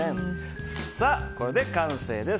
これで完成です。